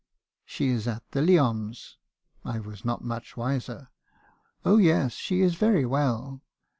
"' She is at the Leoms (I was not much wiser). Oh yes, she is very well.